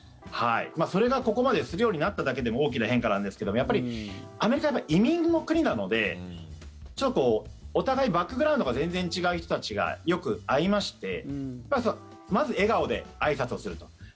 それが、ここまでするようになっただけでも大きな変化なんですけどアメリカは移民の国なのでお互いバックグラウンドが全然違う人たちがよく会いましてまず、笑顔であいさつをすると。